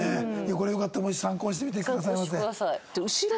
これよかったら参考にしてみてくださいませ。